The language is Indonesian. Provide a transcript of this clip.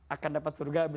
akan dapat surga